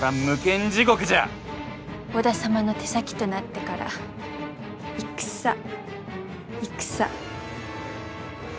織田様の手先となってから戦戦戦。